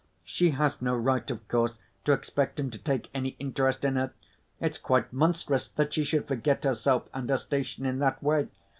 She has no right, of course, to expect him to take any interest in her. It's quite monstrous that she should forget herself and her station in that way.